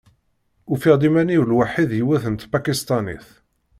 Ufiɣ-d iman-iw lwaḥi d yiwet n Tpakistanit.